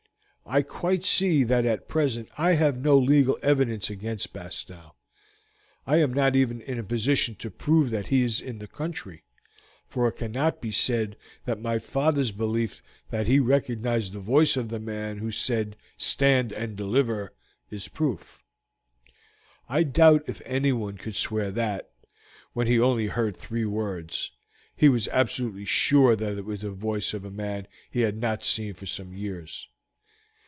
I quite see that at present I have no legal evidence against Bastow; I am not even in a position to prove that he is in the country, for it cannot be said that my father's belief that he recognized the voice of the man who said 'Stand and deliver!' is proof. I doubt if anyone could swear that, when he only heard three words, he was absolutely sure that it was the voice of a man he had not seen for some years.